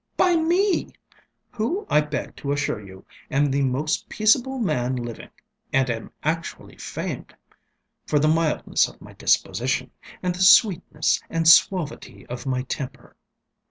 ŌĆöby me, who, I beg to assure you, am the most peaceable man living, and am actually famed for the mildness of my disposition and the sweetness and suavity of my temper.